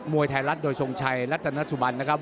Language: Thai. มวยไทรัตท์โดยชงชัยรัฐนสุบันนะครับ